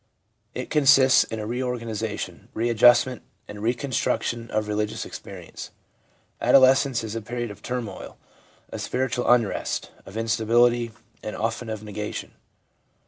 It consists in a reorganisation, readjustment and reconstruction of religious experience. Adolescence is a period of turmoil, of spiritual unrest, of instability, and often of negation.